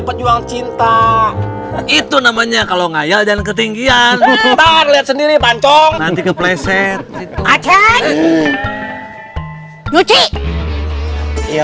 pejuang cinta itu namanya kalau ngayal dan ketinggian nanti ke playset acing cuci iya